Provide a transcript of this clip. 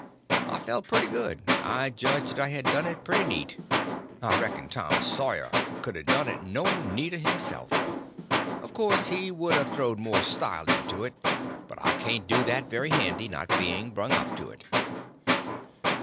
I felt very good; I judged I had done it pretty neat—I reckoned Tom Sawyer couldn't a done it no neater himself. Of course he would a throwed more style into it, but I can't do that very handy, not being brung up to it.